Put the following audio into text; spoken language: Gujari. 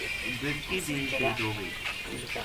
بیٹکی بے شہید ہو گئی